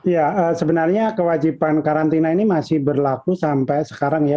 ya sebenarnya kewajiban karantina ini masih berlaku sampai sekarang ya